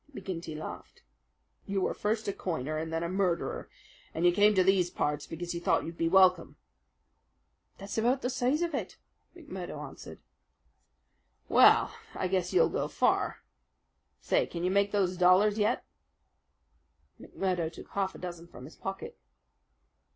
McGinty laughed. "You were first a coiner and then a murderer, and you came to these parts because you thought you'd be welcome." "That's about the size of it," McMurdo answered. "Well, I guess you'll go far. Say, can you make those dollars yet?" McMurdo took half a dozen from his pocket.